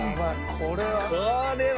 これは。